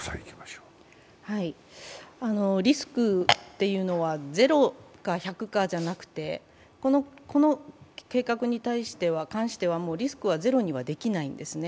リスクっていうのは０か１００かじゃなくてこの計画に関しては、もうリスクはゼロにはできないんですね。